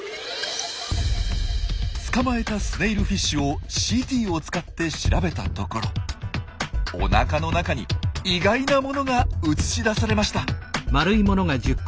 捕まえたスネイルフィッシュをＣＴを使って調べたところおなかの中に意外なものが映し出されました。